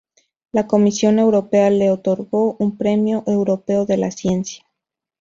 La Comisión europea le otorgó un "Premio Europeo de la Ciencia".